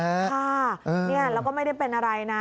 ค่ะแล้วก็ไม่ได้เป็นอะไรนะ